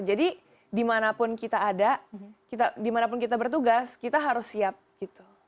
jadi dimanapun kita ada dimanapun kita bertugas kita harus siap gitu